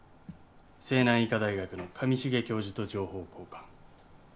西南医科大学の上重教授と情報交換。